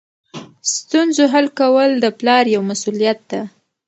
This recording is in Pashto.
ستونزو حل کول د پلار یوه مسؤلیت ده.